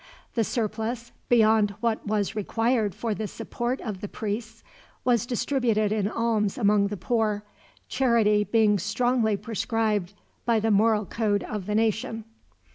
The surplus, beyond what was required for the support of the priests, was distributed in alms among the poor, charity being strongly prescribed by the moral code of the nation.